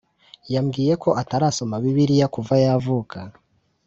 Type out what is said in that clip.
Yambwiyeko atarasoma bibiliya kuva yavuka